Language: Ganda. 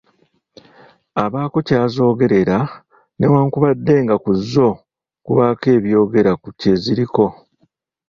Abaako ky’azoogerera newankubadde nga ku zo kubaako ebyogera ku kyeziriko.